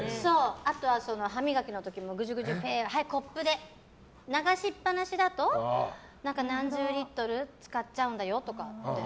あとは歯磨きの時もぐちゅぐちゅぺーを流しっぱなしだと何十リットル使っちゃうんだよって。